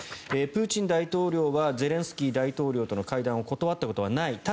プーチン大統領はゼレンスキー大統領との会談を断ったことはない。